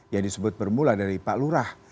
yang disebut bermula dari pak lurah